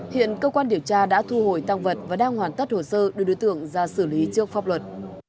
hiện cơ quan điều tra đã thu hồi tăng vật và đang hoàn tất hồ sơ đưa đối tượng ra xử lý trước pháp luật